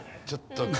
ちょっと。